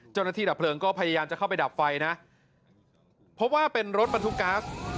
ดับเพลิงก็พยายามจะเข้าไปดับไฟนะเพราะว่าเป็นรถบรรทุกก๊าซ